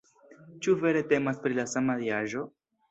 Ĉu vere temas pri la sama diaĵo?